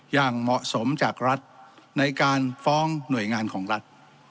อย่างเหมาะสมจากรัฐในการฟ้องหน่วยงานของรัฐ